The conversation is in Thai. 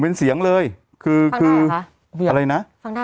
ฟังได้หรือคะ